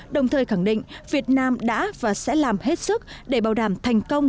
đồng thời khẳng định việt nam đã và sẽ làm hết sức để bảo đảm thành công